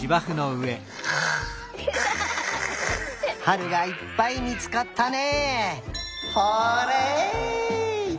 はるがいっぱいみつかったね！